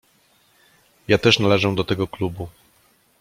"Ja też należę do tego klubu."